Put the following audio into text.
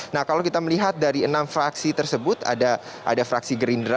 nah kalau kita melihat dari enam fraksi tersebut ada fraksi gerindra